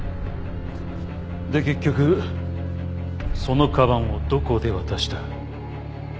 で結局その鞄をどこで渡した？